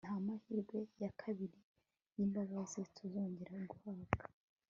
nta mahirwe ya kabiri y'imbabazi tuzongera guhabwa